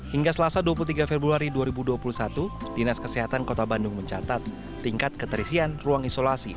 hingga selasa dua puluh tiga februari dua ribu dua puluh satu dinas kesehatan kota bandung mencatat tingkat keterisian ruang isolasi